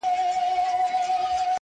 • ما دا څه عمرونه تېر کړله بېځایه,